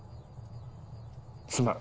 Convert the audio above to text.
すまん。